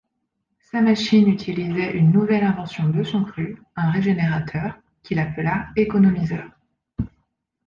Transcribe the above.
Sa machine utilisait une nouvelle invention de son cru, un régénérateur, qu'il appela économiseur.